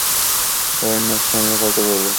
Nguyen, মুখ সামলে কথা বলো।